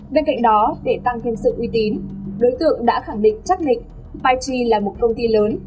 bên cạnh đó để tăng thêm sự uy tín đối tượng đã khẳng định chắc định pich là một công ty lớn